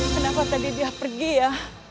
kenapa tadi dia pergi ya